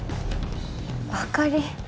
あかり？